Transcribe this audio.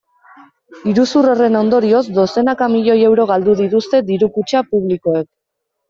Iruzur horren ondorioz dozenaka milioi euro galdu dituzte diru-kutxa publikoek.